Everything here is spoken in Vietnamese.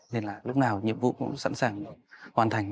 nên là lúc nào nhiệm vụ cũng sẵn sàng hoàn thành